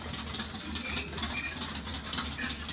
缆索轨道作为城市交通工具在国内都是独有的。